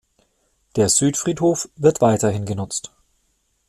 Der Südfriedhof wird weiterhin genutzt.